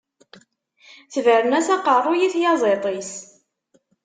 Tebren-as aqeṛṛuy i tyaẓiḍt-is.